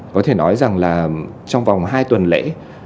có thể nói rằng là trong vòng hai tuần lễ